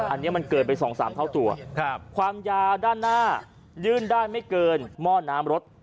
อันนี้มันเกินไป๒๓เท่าตัวความยาวด้านหน้ายื่นได้ไม่เกินหม้อน้ำรถ